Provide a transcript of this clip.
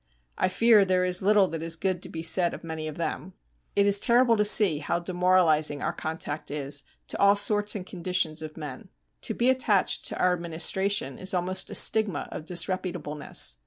I fear there is little that is good to be said of many of them. It is terrible to see how demoralizing our contact is to all sorts and conditions of men. To be attached to our Administration is almost a stigma of disreputableness.